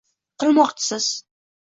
qilmoqchisiz?